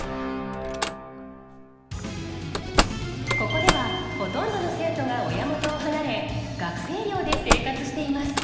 ここではほとんどの生徒が親元を離れ学生寮で生活しています。